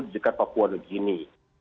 dekat papua begini